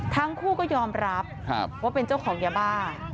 ทั้งคู่ก็ยอมรับว่าเป็นเจ้าของยาบ้า